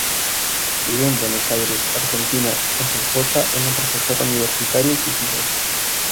Vive en Buenos Aires, Argentina, con su esposa, una profesora universitaria, y sus hijos.